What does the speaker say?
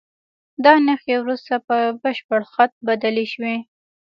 دا نښې وروسته په بشپړ خط بدلې شوې.